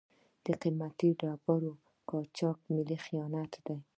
د قیمتي ډبرو قاچاق ملي خیانت دی.